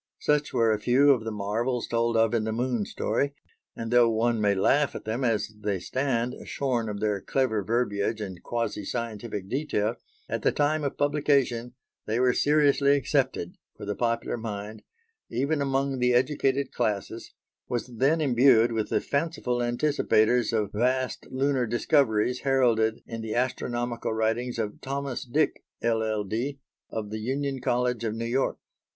Such were a few of the marvels told of in the Moon story; and, though one may laugh at them as they stand, shorn of their clever verbiage and quasi scientific detail, at the time of publication they were seriously accepted, for the popular mind, even among the educated classes, was then imbued with the fanciful anticipators of vast lunar discoveries heralded in the astronomical writings of Thomas Dick, LL.D., of the Union College of New York.